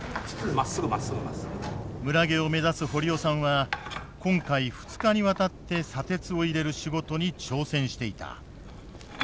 村下を目指す堀尾さんは今回２日にわたって砂鉄を入れる仕事に挑戦していた。